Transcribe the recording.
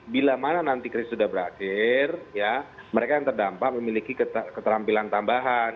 bila mana nanti krisis sudah berakhir mereka yang terdampak memiliki keterampilan tambahan